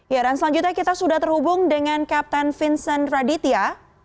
ya dan selanjutnya kita sudah terhubung dengan kapten vincent raditya